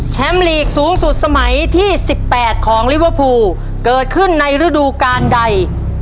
ลีกสูงสุดสมัยที่๑๘ของลิเวอร์พูลเกิดขึ้นในฤดูการใด